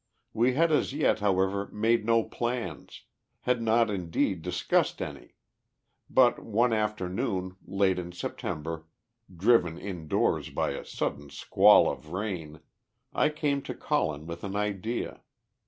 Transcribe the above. We had as yet, however, made no plans, had not indeed discussed any; but one afternoon, late in September, driven indoors by a sudden squall of rain, I came to Colin with an idea.